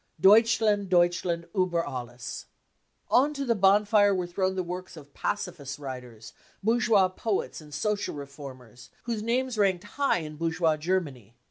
" Deutschland, Deutschland iiber alles ! 35 On to the bonfire were thrown the works of pacifist writers, bourgeois poets and social reformers, whose names ranked high in bourgeois Germany.